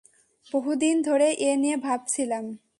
বহুদিন ধরে এ নিয়ে ভাবছিলাম।